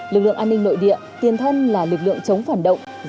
lực lượng an ninh nội địa tiền thân là lực lượng chống phản động